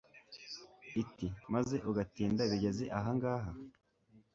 iti maze ugatinda bigeze aha ngaha